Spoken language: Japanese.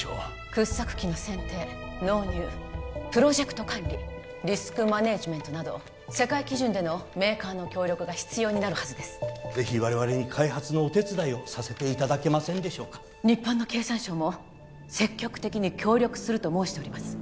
掘削機の選定納入プロジェクト管理リスクマネジメントなど世界基準でのメーカーの協力が必要になるはずです是非我々に開発のお手伝いをさせていただけませんでしょうか日本の経産省も積極的に協力すると申しております